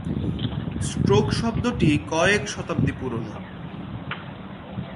Stroke শব্দটি কয়েক শতাব্দী পুরনো।